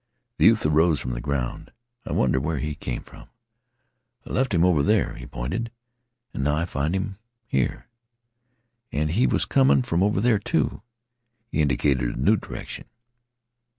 The youth arose from the ground. "I wonder where he came from. I left him over there." He pointed. "And now I find 'im here. And he was coming from over there, too." He indicated a new direction.